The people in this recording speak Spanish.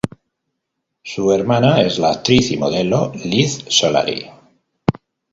Su hermana es la actriz y modelo Liz Solari.